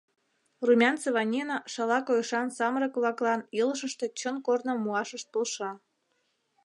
Румянцева Нина шала койышан самырык-влаклан илышыште чын корным муашышт полша.